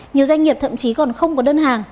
nhiều doanh nghiệp thậm chí còn không có đơn hàng